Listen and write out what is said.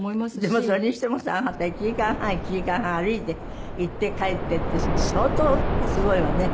でもそれにしてもさあなた１時間半１時間半歩いて行って帰ってって相当すごいわね。